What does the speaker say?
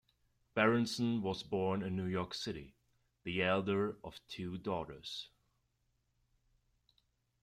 Berenson was born in New York City, the elder of two daughters.